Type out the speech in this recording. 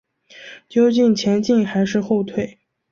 究竟前进还是后退？